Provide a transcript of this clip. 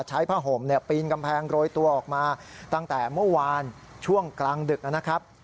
ผ้าห่มปีนกำแพงโรยตัวออกมาตั้งแต่เมื่อวานช่วงกลางดึกนะครับ